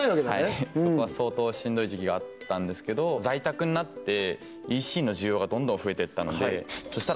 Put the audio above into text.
はいそこは相当しんどい時期があったんですけど在宅になってＥＣの需要がどんどん増えていったのでそ